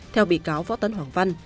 theo bị cáo võ tấn hoàng văn